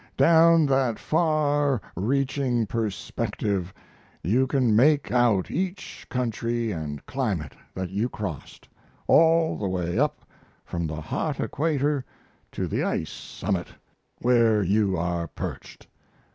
Down that far reaching perspective you can make out each country & climate that you crossed, all the way up from the hot equator to the ice summit where you are perched.